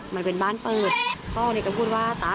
มันเป็นบ้านเปิดพ่อเนี่ยก็พูดว่าตา